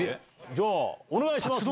じゃあお願いします。